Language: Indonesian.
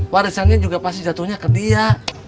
warisannya juga pasti jatuhnya ke dia